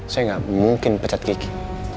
saya gak mungkin pecat kiki